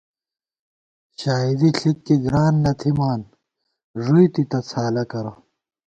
شائیدی ݪِک کی گران نہ تھِمان، ݫُوئی تِتہ څھالہ کرہ